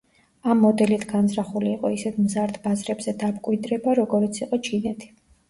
ამ მოდელით განზრახული იყო ისეთ მზარდ ბაზრებზე დამკვიდრება, როგორიც იყო ჩინეთი.